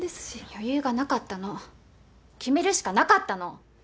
余裕がなかったの決めるしかなかったの。